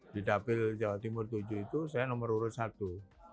di dapil jawa timur tujuh itu saya nomor urut satu